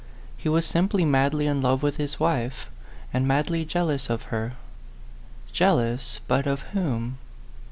He was simply madly in love with his wife, and madly jealous of her. Jealous but of whom?